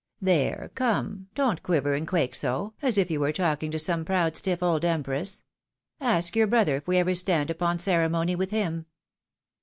There, come, don't quiver and quake so, as if you were talking to some proud stflf old empress ; ask your brother if we ever stand upon ceremony with him